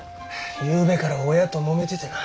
ゆうべから親ともめててな。